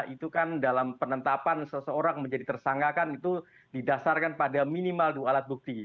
itu kan dalam penentapan seseorang menjadi tersanggahkan itu didasarkan pada minimal dua alat bukti